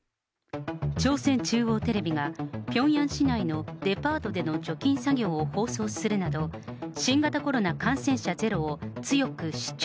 朝鮮中央テレビが、ピョンヤン市内のデパートでの除菌作業を放送するなど、新型コロナ感染者ゼロを強く主張。